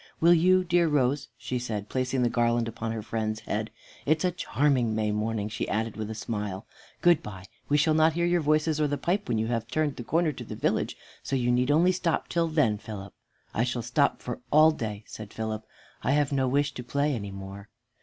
"Will you, dear Rose?" she said, placing the garland upon her friend's head. "It's a charming May morning," she added, with a smile; "good by. We shall not hear your voices or the pipe when you have turned the corner into the village, so you need only stop till then, Philip." "I shall stop for all day," said Philip: "I've no wish to play any more."